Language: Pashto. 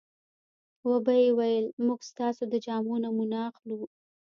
وبه یې ویل موږ ستاسو د جامو نمونه اخلو.